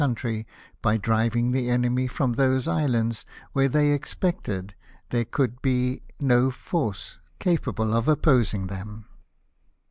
country by driving the enemy from those islands where they expected there lbej5ouH| no force capable of opposing them.